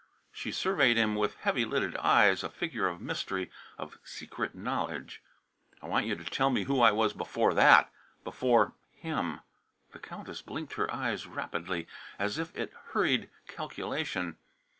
She surveyed him with heavy lidded eyes, a figure of mystery, of secret knowledge. "I want you to tell me who I was before that before him." The Countess blinked her eyes rapidly, as if it hurried calculation.